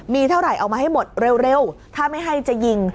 มีเท่าไหร่เอามาให้หมดเร็วถ้าไม่ให้จะยิง